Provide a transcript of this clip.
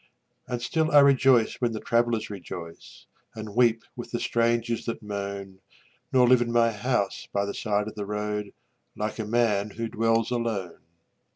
And still I rejoice when the travelers rejoice And weep with the strangers that moan, Nor live in my house by the side of the road Like a man who dwells alone.